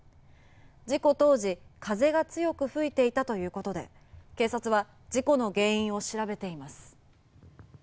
事故当時風が強く吹いていたということで警察は事故の原因を調べています。